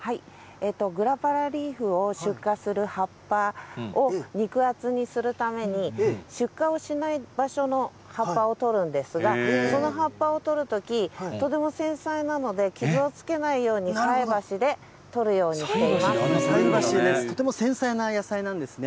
グラパラリーフを出荷する葉っぱを肉厚にするために、出荷をしない場所の葉っぱを取るんですが、その葉っぱを取るとき、とても繊細なので、傷をつけないように、菜箸で取るようにしてい菜箸で、とても繊細な野菜なんですね。